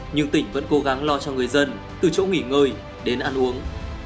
nhưng tỉnh vẫn cố gắng lo cho người dân từ chỗ nghỉ ngơi đến ăn uống